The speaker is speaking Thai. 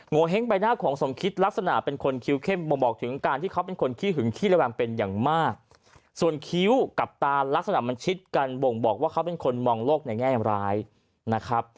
โฮเฮ้งใบหน้าของสมคิดลักษณะเป็นคนคิ้วเข้มบ่งบอกถึงการที่เขาเป็นคนขี้หึงขี้ระแวงเป็นอย่างมากส่วนคิ้วกับตาลักษณะมันชิดกันบ่งบอกว่าเขาเป็นคนมองโลกในแง่ร้ายนะครับ